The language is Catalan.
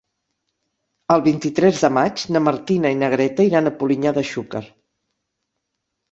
El vint-i-tres de maig na Martina i na Greta iran a Polinyà de Xúquer.